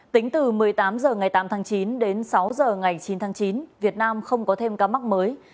tính từ một mươi tám h ngày tám tháng chín đến sáu h ngày chín tháng chín việt nam không có thêm ca mắc mới